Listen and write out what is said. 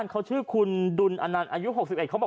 และคือคุณดุลฮะรายรูป๖๑